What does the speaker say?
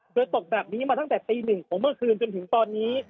โดยตกแบบนี้มาตั้งแต่ตีหนึ่งของเมื่อคืนจนถึงตอนนี้